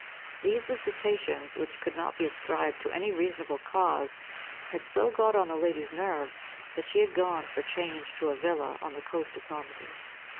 These visitations, which could not be ascribed to any reasonable cause, had so got on the lady's nerves that she had gone for change to a villa on the coast of Normandy.